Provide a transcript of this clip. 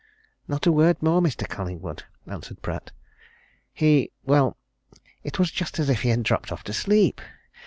"Not a word more, Mr. Collingwood," answered Pratt. "He well, it was just as if he had dropped off to sleep.